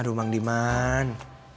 aduh bang diman